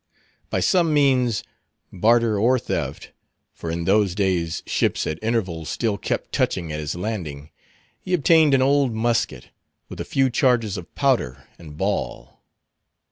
By some means, barter or theft—for in those days ships at intervals still kept touching at his Landing—he obtained an old musket, with a few charges of powder and ball.